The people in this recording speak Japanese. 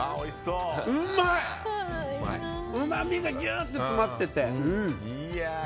うまみがギュッと詰まってて。